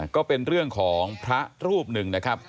ก็เป็นเรื่องของพระรูปหนึ่งนะครับ